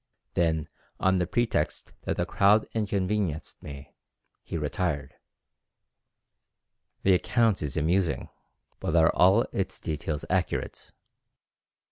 Then on the pretext that the crowd inconvenienced me, he retired." The account is amusing, but are all its details accurate?